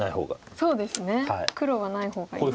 そうですね黒はない方がいいですね。